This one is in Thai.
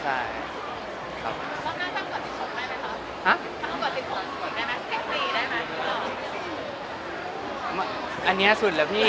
อันนี้สุดแล้วพี่